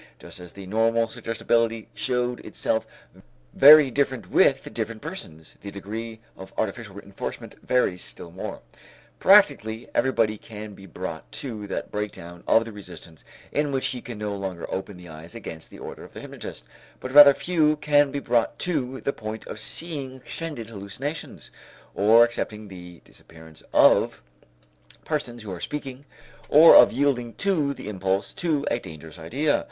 Just as the normal suggestibility showed itself very different with different persons, the degree of artificial reënforcement varies still more. Practically everybody can be brought to that breakdown of the resistance in which he can no longer open the eyes against the order of the hypnotist, but rather few can be brought to the point of seeing extended hallucinations, or accepting the disappearance of persons who are speaking, or of yielding to the impulse to a dangerous action.